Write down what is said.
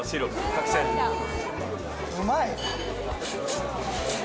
うまい。